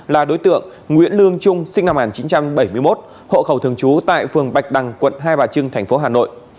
là đối tượng nguyễn lương trung sinh năm một nghìn chín trăm bảy mươi một hộ khẩu thường trú tại phường bạch đằng quận hai bà trưng tp hà nội